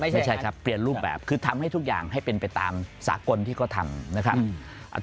ไม่ใช่ครับเปลี่ยนรูปแบบคือทำให้ทุกอย่างให้เป็นไปตามสากลที่เขาทำนะครับ